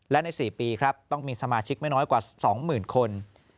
และใน๔ปีครับต้องมีสมาชิกไม่น้อยกว่า๒๐๐๐คน